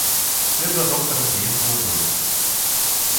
Вслед за доктором приехала Долли.